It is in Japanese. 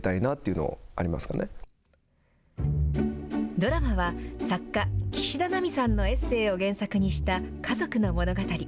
ドラマは、作家、岸田奈美さんのエッセーを原作にした家族の物語。